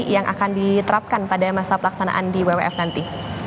yang akan diterapkan pada masa pelaksanaan di wwf nanti